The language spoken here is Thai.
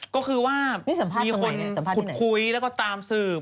ก็คือว่ามีคนขุดคุยแล้วก็ตามสืบ